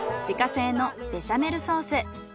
自家製のベシャメルソース。